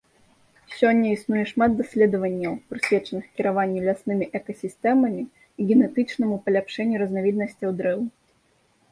Сёння існуе шмат даследаванняў, прысвечаных кіраванню ляснымі экасістэмамі і генетычнаму паляпшэнню разнавіднасцяў дрэў.